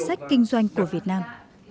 sách kinh doanh của việt nam